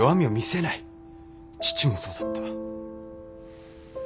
父もそうだった。